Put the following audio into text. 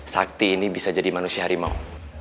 sakti ini bisa jadi manusia harimau